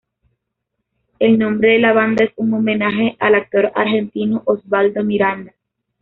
El nombre de la banda es un homenaje al actor argentino Osvaldo Miranda.